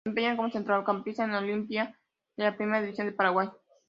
Se desempeña como centrocampista en Olimpia de la Primera División de Paraguay.